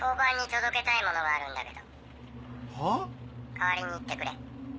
代わりに行ってくれ。